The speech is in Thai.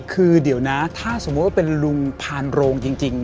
คือเดี๋ยวนะถ้าสมมุติว่าเป็นลุงพานโรงจริง